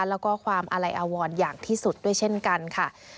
แล้วก็ความอาลัยอวรอย่างที่สุดด้วยเช่นกันค่ะ